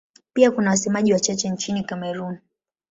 Pia kuna wasemaji wachache nchini Kamerun.